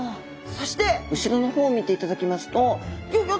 そして後ろの方を見ていただきますとギョギョッとびっくり！